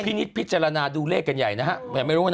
นิดพิจารณาดูเลขกันใหญ่นะฮะไม่รู้นะ